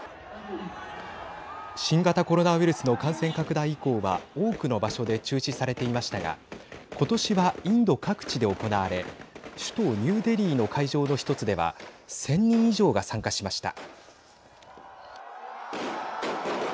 新型コロナウイルスの感染拡大以降は多くの場所で中止されていましたが今年はインド各地で行われ首都ニューデリーの会場の１つでは１０００人以上が参加しました。